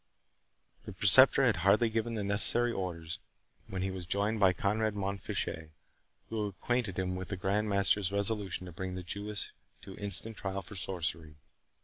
The Preceptor had hardly given the necessary orders, when he was joined by Conrade Mont Fitchet, who acquainted him with the Grand Master's resolution to bring the Jewess to instant trial for sorcery.